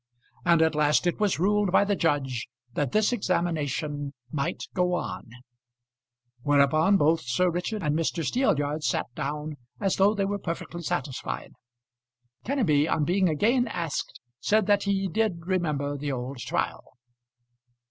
And at last it was ruled by the judge that this examination might go on; whereupon both Sir Richard and Mr. Steelyard sat down as though they were perfectly satisfied. Kenneby, on being again asked, said that he did remember the old trial.